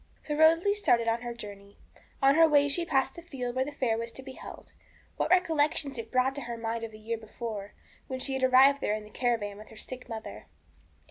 So Rosalie started on her journey. On her way she passed the field where the fair was to be held. What recollections it brought to her mind of the year before, when she had arrived there in the caravan with her sick mother.